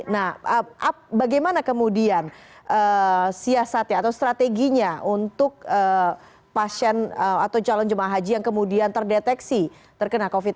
nah bagaimana kemudian siasatnya atau strateginya untuk pasien atau calon jemaah haji yang kemudian terdeteksi terkena covid sembilan belas